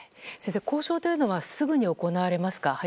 先生、交渉というのはすぐに行われますか？